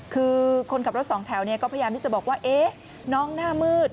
คือคนขับรถสองแถวก็พยายามที่จะบอกว่าน้องหน้ามืด